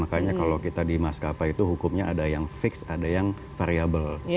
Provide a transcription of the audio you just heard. makanya kalau kita di maskapai itu hukumnya ada yang fix ada yang variable